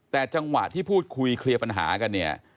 แต่จังหวะที่พูดคุยเคลียร์ปัญหากันเนี่ย